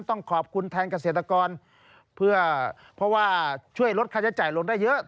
ต้องขอบคุณแทนเกษตรกรเพื่อเพราะว่าช่วยลดค่าใช้จ่ายลงได้เยอะ